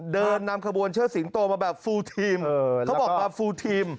เดินนำขบวนเชิดสิงโตมาแบบฟูลทีมเขาบอกมาฟูลทีม